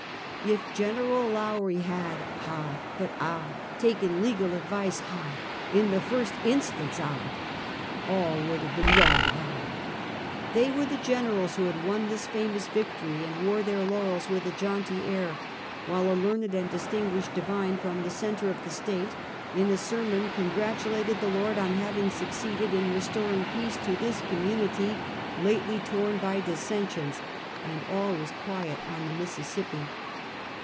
" If Gen. Lowrie had ah, but ah, taken legal advice ah, in the first instance ah, all would have been well ah !" They were the generals who had won this famous victory, and wore their laurels with a jaunty air, while a learned and distinguished divine from the center of the State, in a sermon, congratulated the Lord on hav ing succeeded in " restoring peace to this community, lately torn by dissensions," — and all was quiet on the Mississippi.